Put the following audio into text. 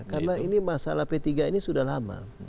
karena ini masalah p tiga ini sudah lama